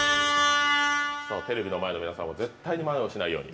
さあ、テレビの前の皆さんは絶対にまねをしないように。